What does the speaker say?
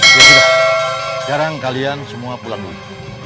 sekarang kalian semua pulang dulu